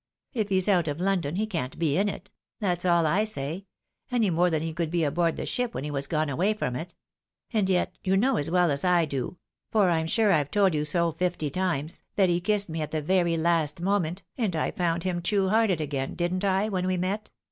If he's out of London, he can't be in it, that's all I say, any more than he could be aboard the ship when he was gone away from it — ^and yet, you know as well as I do, for I'm sure I've told you so fifty times, that he kissed me at the very last moment, and I found him true hearted again, didn't I, when we met